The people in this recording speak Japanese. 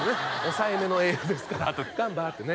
抑えめのエールですから「ガンバ」ってね